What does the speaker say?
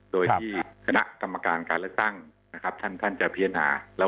โดยที่คณะกรรมการการเลือกตั้งนะครับท่านจะพิจารณา